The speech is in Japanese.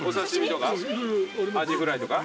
アジフライとか？